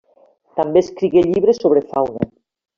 També escrigué llibres sobre fauna.